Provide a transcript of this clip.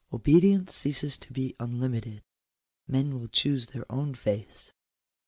Obedience ceases to be unlimited: men will ohoose their own faiths.